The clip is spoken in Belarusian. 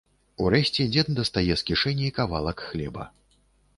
Урэшце дзед дастае з кішэні кавалак хлеба.